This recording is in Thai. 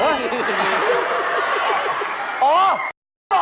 อะไรตรงนี้อะไรล่ะ